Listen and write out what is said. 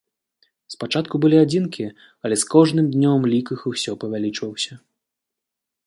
Спачатку былі адзінкі, але з кожным днём лік іх усё павялічваўся.